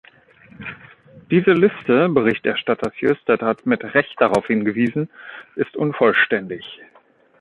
Diese Liste Berichterstatter Sjöstedt hat mit Recht darauf hingewiesen ist unvollständig.